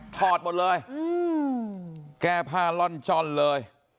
อดหมดเลยแก้ผ้าล่อนจ้อนเลย